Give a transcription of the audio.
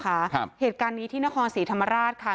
ครับเหตุการณ์นี้ที่นครศรีธรรมราชค่ะ